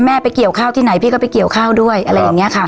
ไปเกี่ยวข้าวที่ไหนพี่ก็ไปเกี่ยวข้าวด้วยอะไรอย่างนี้ค่ะ